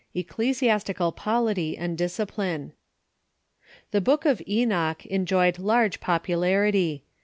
Ecclesiastical polity and discipline. The Bonk of Enoch enjoyed large popularity.